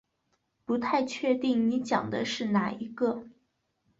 不太确定你讲的是哪个